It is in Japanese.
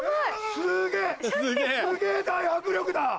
すげぇ大迫力だ！